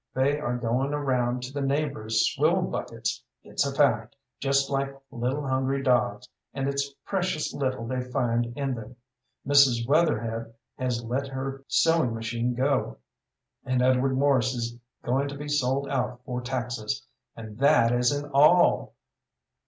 They are going around to the neighbors' swill buckets it's a fact just like little hungry dogs, and it's precious little they find in them. Mrs. Wetherhed has let her sewing machine go, and Edward Morse is going to be sold out for taxes. And that isn't all."